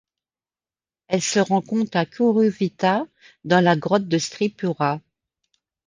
Elle se rencontre à Kuruwita dans la grotte de Stripura.